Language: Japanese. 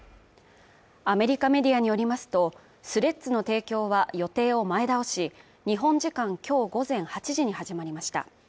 アメリカメディアによりますと、スレッズの提供は、予定を前倒し日本時間今日午前８時に始まりました。